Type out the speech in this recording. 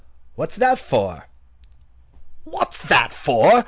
what's that for?" "What's that for?